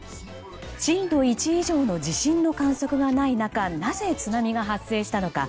震度１以上の地震の観測がない中なぜ津波が発生したのか。